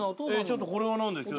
ちょっとこれは何ですか？